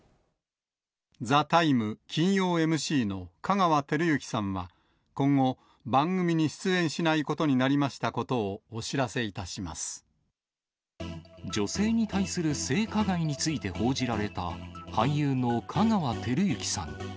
ＴＨＥＴＩＭＥ，金曜ＭＣの香川照之さんは今後、番組に出演しないことになりましたことを女性に対する性加害について報じられた、俳優の香川照之さん。